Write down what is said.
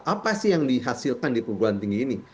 apa sih yang dihasilkan di perguruan tinggi ini